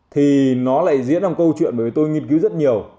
thì nó lại diễn ra một câu chuyện bởi vì tôi nghiên cứu rất nhiều